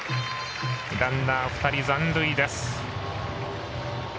ランナー２人残塁です。